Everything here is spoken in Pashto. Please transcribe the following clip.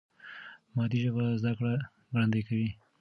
مادي ژبه زده کړه ګړندۍ کوي.